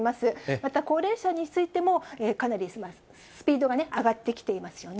また高齢者についても、かなりスピードが上がってきていますよね。